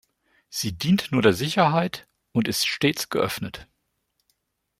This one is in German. Sie dient nur der Sicherheit und ist stets geöffnet.